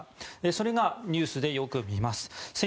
それがニュースでよく見ます